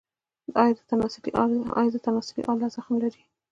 ایا د تناسلي آلې زخم لرئ؟